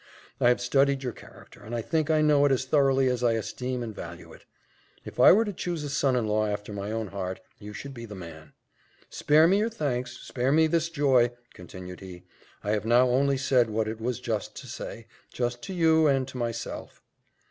I have studied your character, and I think I know it as thoroughly as I esteem and value it. If I were to choose a son in law after my own heart, you should be the man. Spare me your thanks spare me this joy," continued he; "I have now only said what it was just to say just to you and to myself."